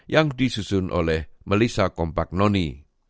yang disusun oleh melissa kompaknoni